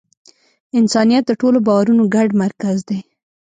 انسانیت د ټولو باورونو ګډ مرکز دی.